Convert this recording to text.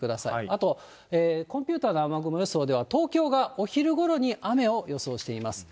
あとコンピューターの雨雲予想では、東京がお昼ごろに雨を予想しています。